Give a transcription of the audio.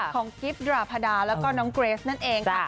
กิฟต์ดราพดาแล้วก็น้องเกรสนั่นเองค่ะ